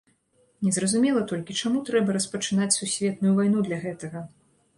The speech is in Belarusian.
Незразумела толькі, чаму трэба распачынаць сусветную вайну для гэтага.